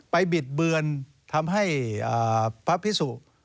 บิดเบือนทำให้พระพิสุ